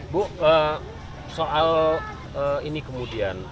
bu soal ini kemudian